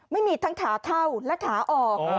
ไม่มีทั้งขาเข้าและขาออก